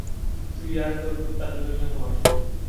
তুই আর তোর কুত্তা দূরে গিয়া মর!